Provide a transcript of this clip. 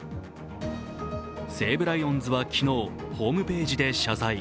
西武ライオンズは昨日、ホームページで謝罪。